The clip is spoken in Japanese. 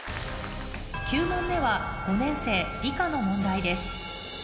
９問目は５年生理科の問題です